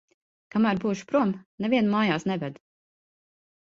Kamēr būšu prom, nevienu mājās neved.